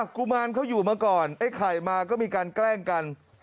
กุมารเขาอยู่มาก่อนไอ้ไข่มาก็มีการแกล้งกัน